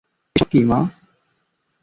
এসব কি, মা?